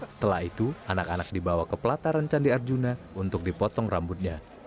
setelah itu anak anak dibawa ke pelataran candi arjuna untuk dipotong rambutnya